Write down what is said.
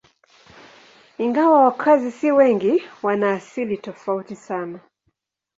Ingawa wakazi si wengi, wana asili tofauti sana.